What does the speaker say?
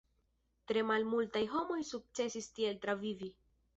Tre malmultaj homoj sukcesis tiel travivi.